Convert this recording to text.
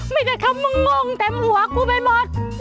ไม่ได้ครับเมื่องงแต่หัวกุ้ไม่มท